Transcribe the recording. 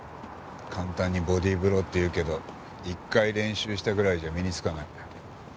簡単にボディーブローって言うけど１回練習したぐらいじゃ身につかない。